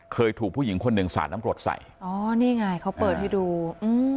เคยถูกผู้หญิงคนหนึ่งสาดน้ำกรดใส่อ๋อนี่ไงเขาเปิดให้ดูอืม